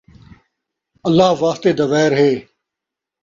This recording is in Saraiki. اللہ واسطے دا ویر ہے